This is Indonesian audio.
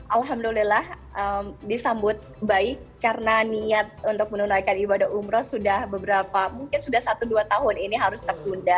alhamdulillah disambut baik karena niat untuk menunaikan ibadah umroh sudah beberapa mungkin sudah satu dua tahun ini harus tertunda